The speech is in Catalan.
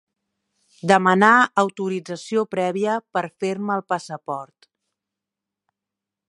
Demanar autorització prèvia per fer-me el passaport.